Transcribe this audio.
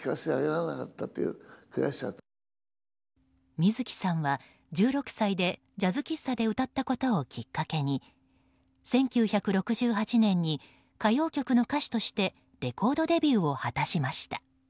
水木さんは１６歳でジャズ喫茶で歌ったことをきっかけに１９６８年に歌謡曲の歌手としてレコードデビューを果たしました。